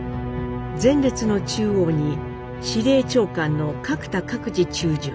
前列の中央に司令長官の角田覚治中将